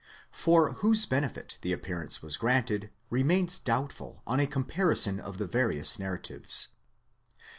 For whose benefit the appearance was granted, remains doubtful on a comparison of the various narratives.